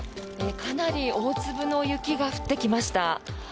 かなり大粒の雪が降ってきました。